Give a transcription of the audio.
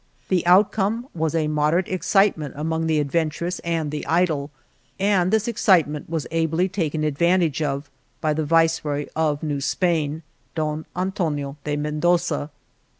The outcome was a mod erate "excitement" among the adventurous and the idle, and this excitement was ably taken advantage of by the Viceroy of New Spain, Don Antonio de Mendoza.